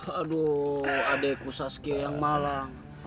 aduh adikku saski yang malang